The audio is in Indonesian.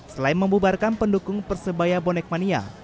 selain membubarkan pendukung persebaya bonek mania